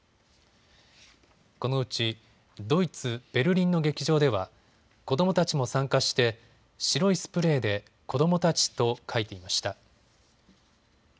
このうちドイツ・ベルリンの劇場では子どもたちも参加して白いスプレーで子どもたちと書いていました。